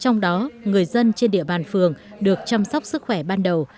trong đó người dân trên địa bàn phường được chăm sóc sức khỏe ban đầu